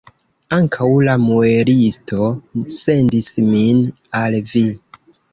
Ankaŭ la muelisto sendis min al vi.